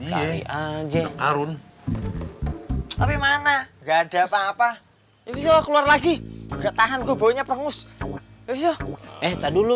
tapi mana enggak ada apa apa itu keluar lagi ketahanku punya perusuh eh tak dulu